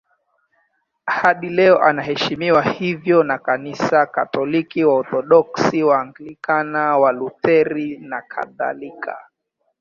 Hadi leo anaheshimiwa hivyo na Kanisa Katoliki, Waorthodoksi, Waanglikana, Walutheri nakadhalika.